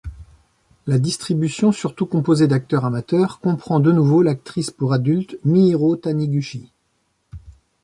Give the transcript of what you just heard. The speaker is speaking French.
La distribution, surtout composée d'acteurs amateurs, comprend de nouveau l'actrice pour adultes Mihiro Taniguchi.